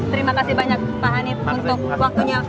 terima kasih banyak pak hanif untuk waktunya